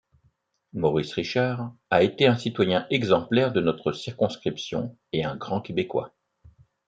Maurice Richard a été un citoyen exemplaire de notre circonscription et un grand Québécois.